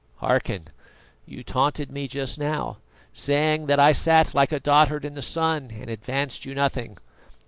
Hearken: you taunted me just now, saying that I sat like a dotard in the sun and advanced you nothing.